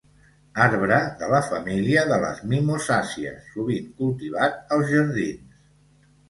Arbre de la família de les mimosàcies sovint cultivat als jardins.